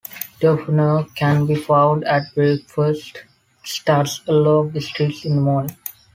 Doufunao can be found at breakfast stands along the streets in the morning.